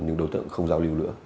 những đối tượng không giao lưu nữa